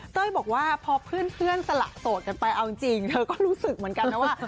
เต้ยบอกว่าพอเพื่อนสละโสดกันไปเอาจริงเธอก็รู้สึกเหมือนกันนะว่า